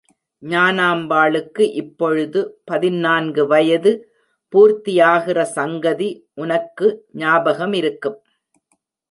ஞானாம்பாளுக்கு இப்பொழுது பதினான்கு வயது பூர்த்தியாகிற சங்கதி உனக்கு ஞாபகமிருக்கும்.